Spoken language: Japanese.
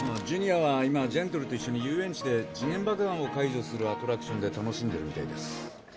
ジュニアは今ジェントルと一緒に遊園地で時限爆弾を解除するアトラクションで楽しんでるみたいです。